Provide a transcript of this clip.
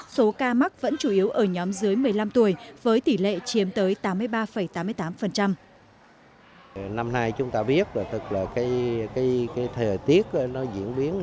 số ca mắc vẫn chủ yếu ở nhóm dưới một mươi năm tuổi với tỷ lệ chiếm tới tám mươi ba tám mươi tám